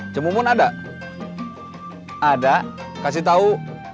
cemumun ada ada kasih tahu